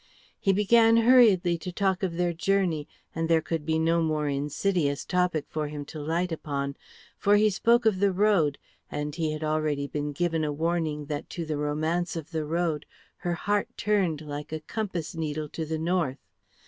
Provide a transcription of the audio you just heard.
He began hurriedly to talk of their journey, and there could be no more insidious topic for him to light upon. For he spoke of the Road, and he had already been given a warning that to the romance of the Road her heart turned like a compass needle to the north.